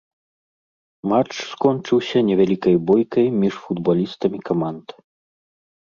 Матч скончыўся невялікай бойкай між футбалістамі каманд.